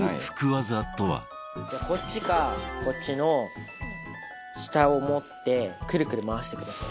じゃあこっちかこっちの下を持ってクルクル回してください。